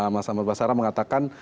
mas amar basara mengatakan